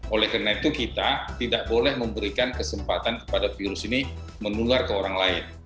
oleh karena itu kita tidak boleh memberikan kesempatan kepada virus ini menular ke orang lain